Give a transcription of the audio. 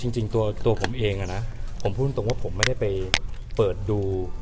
จริงตัวผมเองนะผมพูดตรงว่าผมไม่ได้ไปเปิดดู